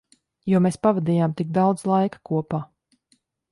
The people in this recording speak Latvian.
Jo mēs pavadījām tik daudz laika kopā.